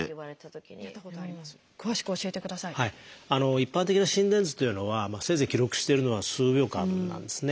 一般的な心電図というのはせいぜい記録してるのは数秒間なんですね。